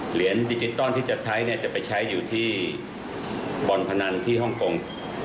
เหรียญดิจิตอลที่จะใช้เนี่ยจะไปใช้อยู่ที่บ่อนพนันที่ฮ่องกง